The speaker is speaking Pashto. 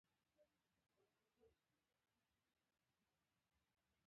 پنځه ویشت زره پونډه ورکړل.